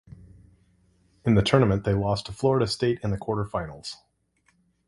In the tournament they lost to Florida State in the Quarterfinals.